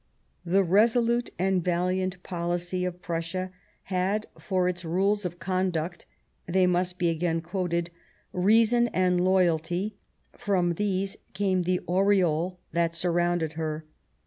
The "resolute and valiant policy "of Prussia had for its rules of conduct — they must be again quoted —" reason and loyalty," from these came the "aureole" that surrounded her.